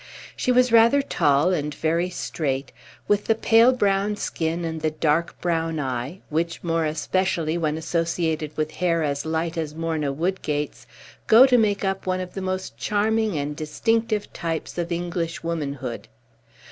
She was rather tall, and very straight, with the pale brown skin and the dark brown eye, which, more especially when associated with hair as light as Morna Woodgate's, go to make up one of the most charming and distinctive types of English womanhood.